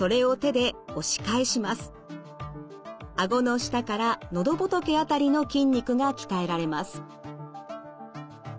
顎の下から喉仏辺りの筋肉が鍛えられます。